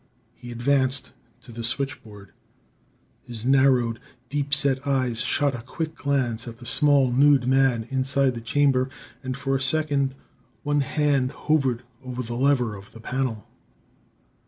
He advanced to the switchboard. His narrowed, deep set eyes shot a quick glance at the small, nude man inside the chamber, and for a second one hand hovered over the lever on the panel.